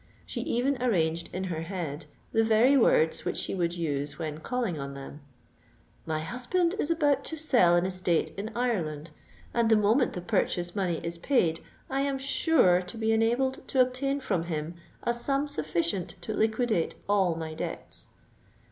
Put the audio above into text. She even arranged in her head the very words which she would use when calling on them:—"My husband is about to sell an estate in Ireland, and the moment the purchase money is paid, I am sure to be enabled to obtain from him a sum sufficient to liquidate all my debts.